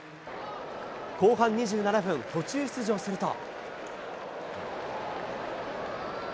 後半２７分、途中出場すると。